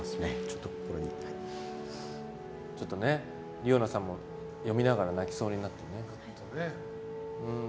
梨生奈さんも読みながら泣きそうになってね。